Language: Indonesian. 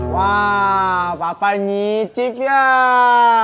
kalau kamu ngequit jual